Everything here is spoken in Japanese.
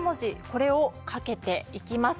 これをかけていきます。